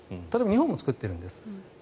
例えば日本も作っているんです。